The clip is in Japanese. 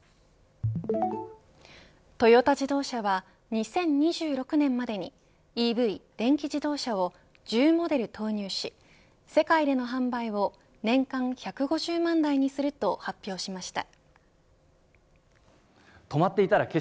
トヨタ自動車は２０２６年までにＥＶ、電気自動車を１０モデル投入し世界での販売を年間１５０万台にすると発表しました。